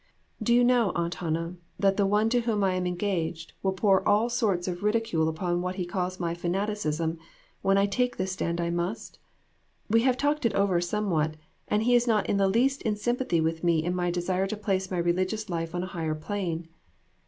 Do you know, Aunt Hannah, that the one to whom I am engaged will pour all sorts of ridicule upon what he calls my fanaticism when I take the stand I must ? We have talked it over somewhat, and he is not in the least in sympathy with me in my desire to place my religious life on a higher plane.